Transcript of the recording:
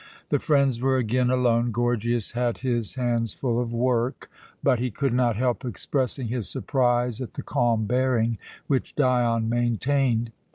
The friends were again alone. Gorgias had his hands full of work, but he could not help expressing his surprise at the calm bearing which Dion maintained.